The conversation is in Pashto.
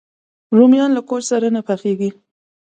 رومیان له کوچ سره نه پخېږي